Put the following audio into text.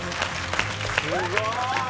すごーい！